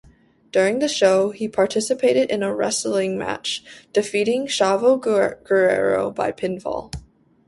During the show, he participated in a wrestling match, defeating Chavo Guerrero by pinfall.